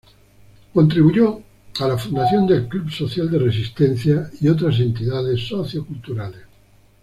Contribuyó a la fundación del Club Social de Resistencia y otras entidades socio-culturales.